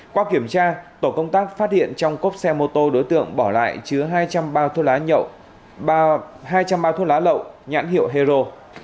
qua kiểm tra tổ công tác phát hiện trong cốc xe mô tô đối tượng bỏ lại chứa hai trăm linh bao thuốc lá lậu nhãn hiệu hero